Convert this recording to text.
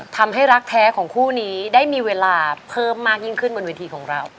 ทำให้รักแท้ของคู่นี้ได้มีเวลาเพิ่มมากยิ่งขึ้นบนเวทีของเรา